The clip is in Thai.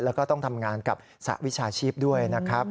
แล้วก็ต้องทำงานกับสหวิชาชีพด้วยนะครับ